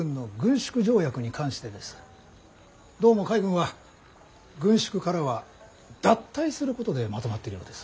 どうも海軍は軍縮からは脱退することでまとまっているようです。